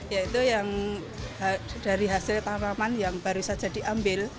yaitu yang dari hasil tanaman yang baru saja diambil